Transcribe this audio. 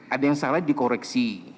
ada yang salah di koreksi